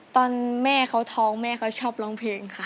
ตอนแม่เขาท้องแม่เขาชอบร้องเพลงค่ะ